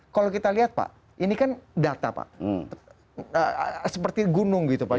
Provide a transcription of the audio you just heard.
kalau kita lihat pak ini kan data pak seperti gunung gitu pak